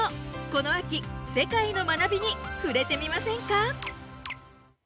この秋、世界の学びに触れてみませんか？